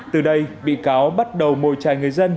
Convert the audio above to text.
từ đây bị cáo bắt đầu mồi trài người dân